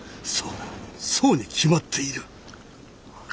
そうだそうに決まっている。